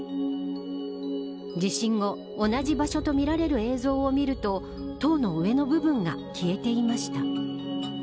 地震後、同じ場所とみられる映像を見ると塔の上の部分が消えていました。